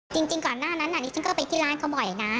จริงจริงก่อนหน้านั้นอ่ะนี่ฉันก็ไปที่ร้านเขาบ่อยน่ะ